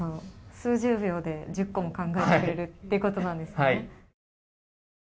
数十秒で１０個も考えてくれるっていうことなんですね。